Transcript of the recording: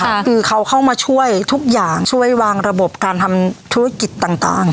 คือเขาเข้ามาช่วยทุกอย่างช่วยวางระบบการทำธุรกิจต่างต่าง